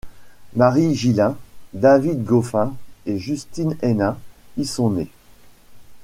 Marie Gillain, David Goffin et Justine Henin y sont nés.